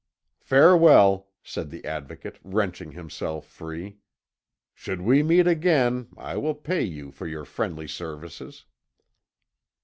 "Farewell," said the Advocate, wrenching himself free. "Should we meet again I will pay you for your friendly services."